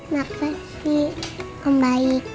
makasih om baik